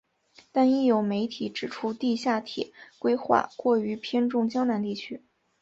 但亦有媒体指出地下铁规划过于偏重江南地区。